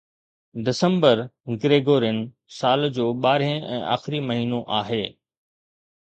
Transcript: December Gregorian سال جو ٻارهين ۽ آخري مهينو آهي